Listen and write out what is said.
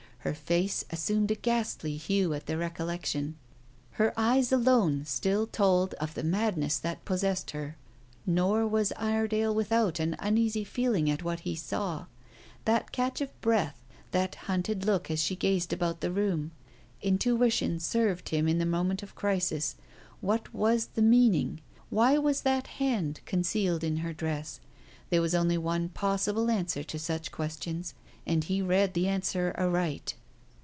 Her face assumed a ghastly hue at the recollection. Her eyes alone still told of the madness that possessed her. Nor was Iredale without an uneasy feeling at what he saw that catch of breath; that hunted look as she gazed about the room. Intuition served him in the moment of crisis. What was the meaning? Why was that hand concealed in her dress? There was only one possible answer to such questions, and he read the answer aright.